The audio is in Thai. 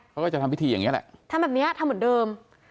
เขาก็จะทำพิธีอย่างนี้แหละทำแบบนี้ทำเหมือนเดิม